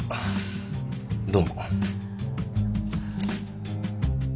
どうも。